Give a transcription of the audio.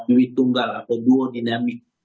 juri tunggal atau duo dinamik